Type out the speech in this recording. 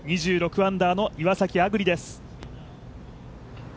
２６アンダーの岩崎亜久竜です。